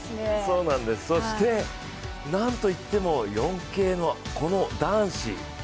そして、なんといっても４継のこの男子。